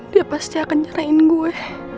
dia pasti akan nyerahin gue